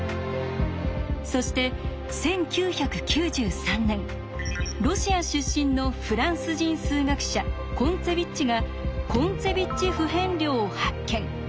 そして１９９３年ロシア出身のフランス人数学者コンツェビッチがコンツェビッチ不変量を発見。